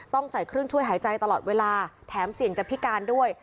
ใส่เครื่องช่วยหายใจตลอดเวลาแถมเสี่ยงจะพิการด้วย